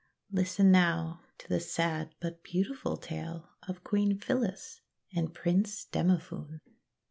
Listen, now, to the sad but beautiful tale of Queen Phyllis and Prince Demophoon.